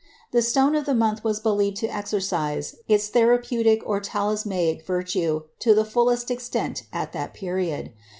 The stone of the month was believed to exercise its therapeutic or talismanic virtue to the fullest extent at that period.